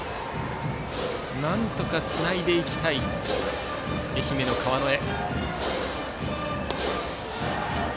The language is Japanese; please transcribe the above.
なんとかつないでいきたい愛媛の川之江。